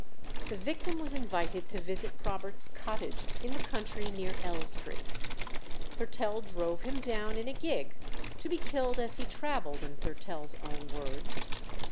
The victim was invited to visit Probert's cottage in the country near Elstree. Thurtell drove him down in a gig, "to be killed as he travelled," in Thurtell's own words.